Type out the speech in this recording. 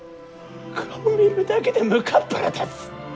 顔見るだけでむかっぱら立つ！